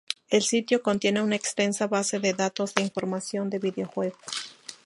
El sitio contiene una extensa base de datos de información de videojuegos.